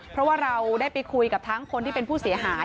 เพราะว่าเราได้ไปคุยกับทั้งคนที่เป็นผู้เสียหาย